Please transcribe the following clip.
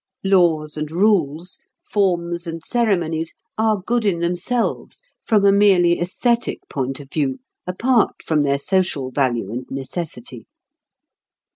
Laws and rules, forms and ceremonies are good in themselves, from a merely æsthetic point of view, apart from their social value and necessity.